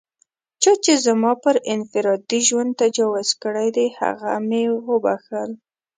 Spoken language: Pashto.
چا چې زما پر انفرادي ژوند تجاوز کړی دی، هغه مې و بښل.